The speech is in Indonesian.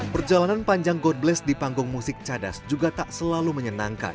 perjalanan panjang god bless di panggung musik cadas juga tak selalu menyenangkan